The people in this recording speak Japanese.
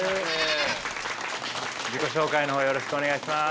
自己紹介の方よろしくお願いします。